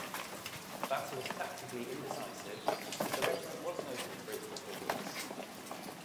The battle was tactically indecisive, but the regiment was noted for its performance.